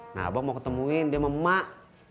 nah abang mau ketemuin dia memak